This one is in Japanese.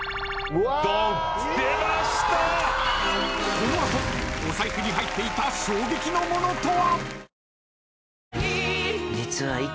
［この後お財布に入っていた衝撃のものとは！？］